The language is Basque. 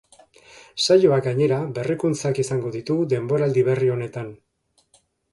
Saioak gainera, berrikuntzak izango ditu denboraldi berri honetan.